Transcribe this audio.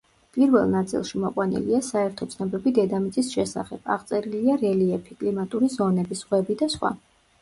პირველ ნაწილში მოყვანილია საერთო ცნობები დედამიწის შესახებ, აღწერილია რელიეფი, კლიმატური ზონები, ზღვები და სხვა.